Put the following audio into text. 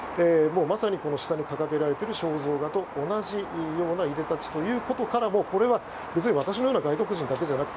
まさに、下に掲げられている肖像画と同じようないでたちということからもこれは私のような外国人だけじゃなく